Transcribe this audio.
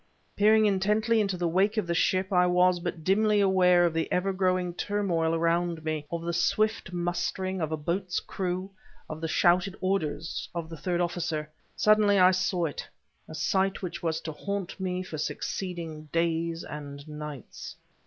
Peering intently into the wake of the ship, I was but dimly aware of the ever growing turmoil around me, of the swift mustering of a boat's crew, of the shouted orders of the third officer. Suddenly I saw it the sight which was to haunt me for succeeding days and nights.